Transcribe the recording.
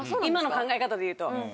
今の考え方でいうと。